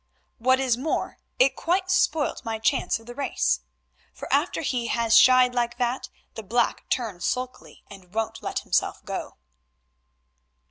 What is more, it quite spoilt my chance of the race, for after he has shied like that, the black turns sulky, and won't let himself go."